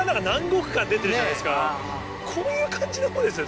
こういう感じの方ですよ